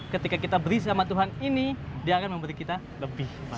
ketika kita beri sama tuhan ini dia akan memberi kita lebih baik